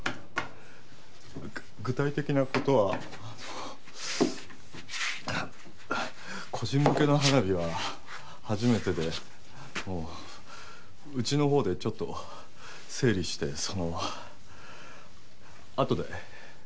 具体的な事はあの個人向けの花火は初めてでうちのほうでちょっと整理してそのあとで。